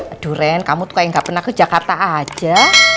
aduh ren kamu tuh kayak gak pernah ke jakarta aja